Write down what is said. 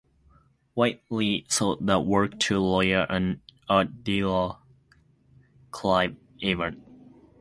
Whiteley sold the work to lawyer and art dealer Clive Evatt.